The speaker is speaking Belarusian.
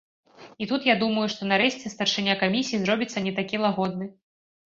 І тут я думаю, што нарэшце старшыня камісіі зробіцца не такі лагодны.